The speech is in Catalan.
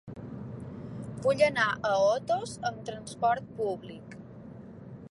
Vull anar a Otos amb transport públic.